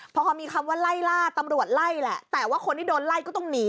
พอเขามีคำว่าไล่ล่าตำรวจไล่แหละแต่ว่าคนที่โดนไล่ก็ต้องหนี